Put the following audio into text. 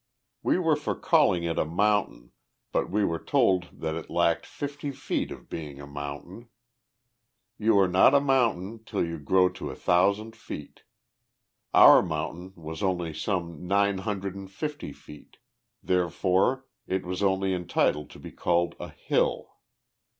We were for calling it a mountain, but we were told that it lacked fifty feet of being a mountain. You are not a mountain till you grow to a thousand feet. Our mountain was only some nine hundred and fifty feet. Therefore, it was only entitled to be called a hill.